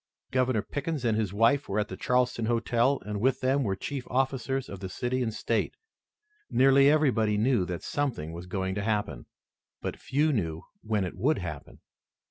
Governor Pickens and his wife were at the Charleston Hotel, and with them were chief officers of the city and state. Nearly everybody knew that something was going to happen, but few knew when it would happen.